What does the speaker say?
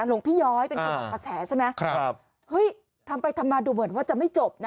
หลวงพี่ย้อยเป็นคนออกมาแฉใช่ไหมครับเฮ้ยทำไปทำมาดูเหมือนว่าจะไม่จบนะ